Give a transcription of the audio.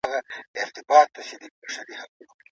فقیران هره ورځ د غلام باغچې ته د مېوې لپاره راځي.